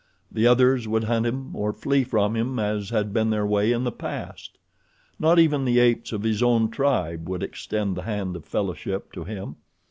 The others would hunt him or flee from him as had been their way in the past. Not even the apes of his own tribe would extend the hand of fellowship to him.